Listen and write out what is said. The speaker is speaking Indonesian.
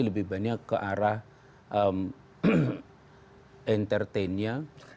lebih banyak ke arah entertain nya